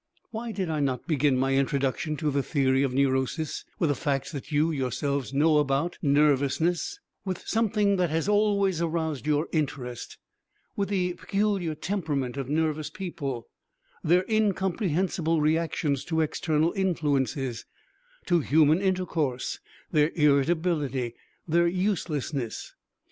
Why did I not begin my introduction to the theory of neurosis with the facts that you yourselves know about nervousness, with something that has always aroused your interest, with the peculiar temperament of nervous people, their incomprehensible reactions to external influences, to human intercourse, their irritability, their uselessness?